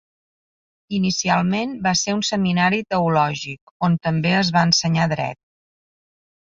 Inicialment va ser un seminari teològic, on també es va ensenyar Dret.